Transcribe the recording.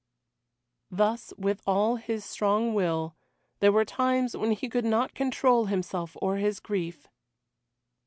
Thus, with all his strong will, there were times when he could not control himself or his grief.